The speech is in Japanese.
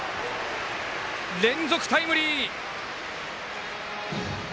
連続タイムリー！